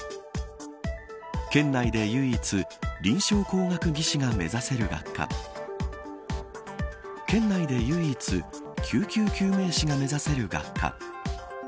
県内で唯一臨床工学技士が目指せる学科県内で唯一、救急救命士が目指せる学科